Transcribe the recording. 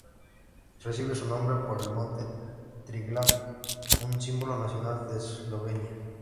Recibe su nombre por el monte Triglav, un símbolo nacional de Eslovenia.